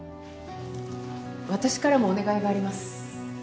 私からもお願いがあります。